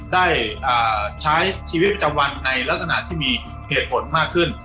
ได้ใช้ชีวิตจำวันในลักษณะที่มีเหตุผลมากขึ้น